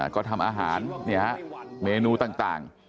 ก็ทำอาหารเนี่ยฮะเมนูต่าง